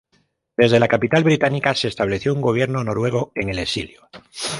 Desde la capital británica, se estableció un gobierno noruego en el exilio.